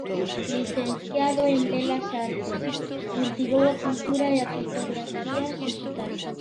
Licenciado en Belas Artes, cultivou a pintura e a fotografía dixital.